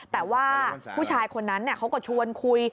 แต่ว่าผู้ชายคนนั้นเขาก็ชวนคุย